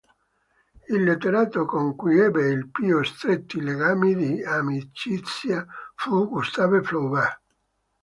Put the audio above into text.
Il letterato con cui ebbe i più stretti legami di amicizia fu Gustave Flaubert.